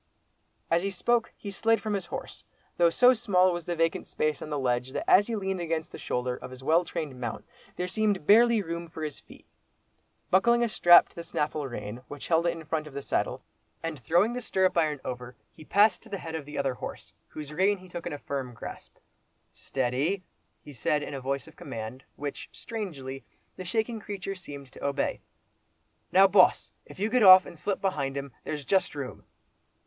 As he spoke he slid from his horse, though so small was the vacant space on the ledge, that as he leaned against the shoulder of his well trained mount, there seemed barely room for his feet. Buckling a strap to the snaffle rein, which held it in front of the saddle, and throwing the stirrup iron over, he passed to the head of the other horse, whose rein he took in a firm grasp. "Steady," he said in a voice of command, which, strangely, the shaking creature seemed to obey. "Now, Boss! you get off, and slip behind him—there's just room."